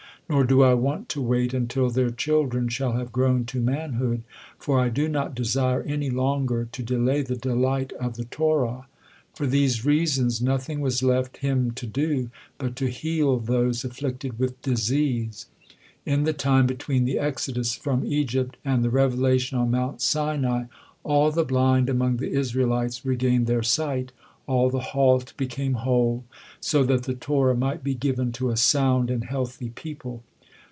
Nor do I want to wait until their children shall have grown to manhood, for I do not desire any longer to delay the delight of the Torah." For these reasons nothing was left Him to do, but to heal those afflicted with disease. In the time between the exodus from Egypt and the revelation on Mount Sinai, all the blind among the Israelites regained their sight, all the halt became whole, so that the Torah might be given to a sound and healthy people.